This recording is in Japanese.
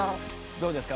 どうですか？